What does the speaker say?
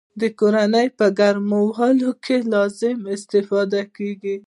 کورونو په ګرمولو کې لازمې استفادې کیږي.